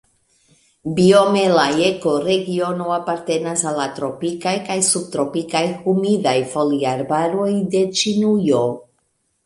Biome la ekoregiono apartenas al la tropikaj kaj subtropikaj humidaj foliarbaroj de Ĉinujo.